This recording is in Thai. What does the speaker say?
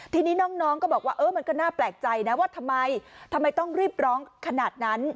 ทีนี้น้องก็บอกว่าเออมันก็น่าแปลกใจนะว่าทำไมทำไมต้องรีบร้องขนาดนั้น